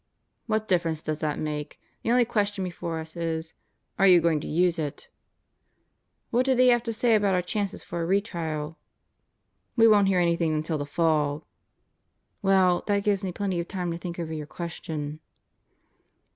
"What difference does that make? The only question before us is: Are you going to use it?" "What did he have to say about our chances for a re trial?" "We won't hear anything until the fall." "Well, that gives me plenty of time to think over your question."